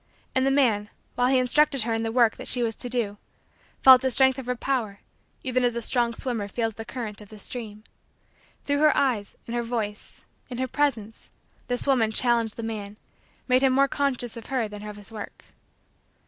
And the man, while he instructed her in the work that she was to do, felt the strength of her power even as a strong swimmer feels the current of the stream. Through her eyes, in her voice, in her presence, this woman challenged the man, made him more conscious of her than of his work.